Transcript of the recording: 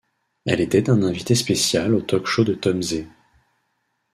Elle était un invité spécial au talk-show de Tom Zé.